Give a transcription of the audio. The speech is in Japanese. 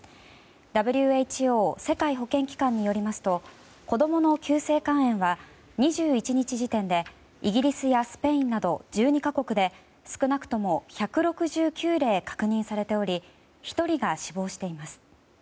ＷＨＯ・世界保健機関によりますと子供の急性肝炎は２１日時点でイギリスやスペインなど１２か国で少なくとも１６９例確認されており１人が死亡しています。